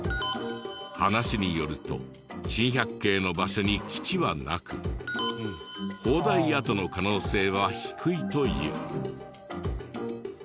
話によると珍百景の場所に基地はなく砲台跡の可能性は低いという。